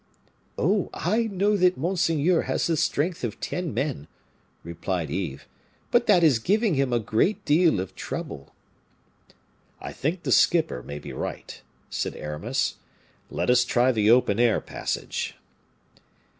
"Oh! I know that monseigneur has the strength of ten men," replied Yves; "but that is giving him a great deal of trouble." "I think the skipper may be right," said Aramis; "let us try the open air passage."